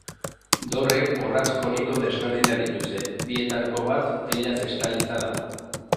Dorreek orratz koniko desberdinak dituzte, bietako bat teilaz estalia dago.